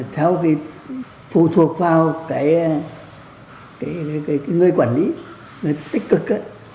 theo phù thuộc vào người quản lý người tích cực